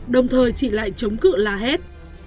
đồng thời lại chị lại chống cự la hét